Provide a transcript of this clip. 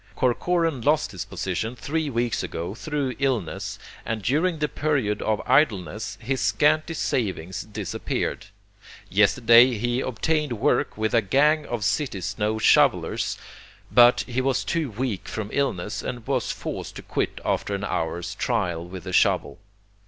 Corcoran lost his position three weeks ago through illness, and during the period of idleness his scanty savings disappeared. Yesterday he obtained work with a gang of city snow shovelers, but he was too weak from illness and was forced to quit after an hour's trial with the shovel.